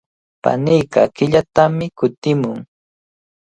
Paniiqa killatami kutimun.